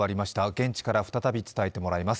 現地から再び伝えてもらいます。